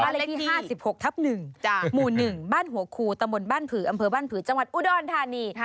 เลขที่๕๖ทับ๑หมู่๑บ้านหัวคูตำบลบ้านผืออำเภอบ้านผือจังหวัดอุดรธานี